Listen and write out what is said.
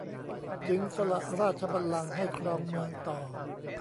จึงสละราชบัลลังก์ให้ครองเมืองต่อ